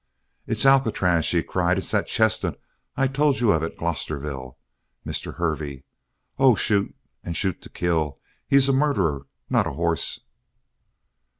"It's Alcatraz!" she cried. "It's that chestnut I told you of at Glosterville, Mr. Hervey. Oh, shoot and shoot to kill. He's a murderer not a horse!"